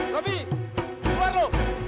rabi keluar lu